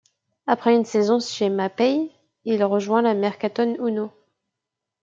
Après une saison chez Mapei, il rejoint la Mercatone Uno.